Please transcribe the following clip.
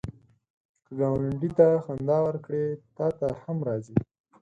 که ګاونډي ته خندا ورکړې، تا ته هم راځي